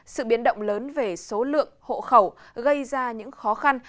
sự biến động lớn về số lượng hộ khẩu gây ra những khó khăn